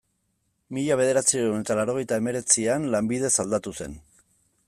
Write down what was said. Mila bederatziehun eta laurogeita hemeretzian, lanbidez aldatu zen.